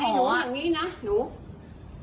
ให้หนูอย่างนี้นะหนู